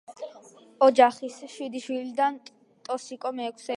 ოჯახის შვიდი შვილიდან, ტოსიკო მეექვსე იყო.